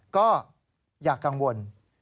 ก็อย่ากังวล